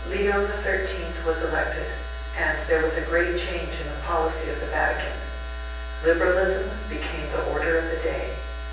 Leo XIII was elected, and there was a great change in the policy of the Vatican. Liberalism became the order of the day.